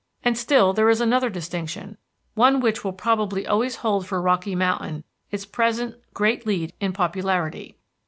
And still there is another distinction, one which will probably always hold for Rocky Mountain its present great lead in popularity.